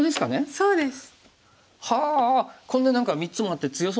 そうですね。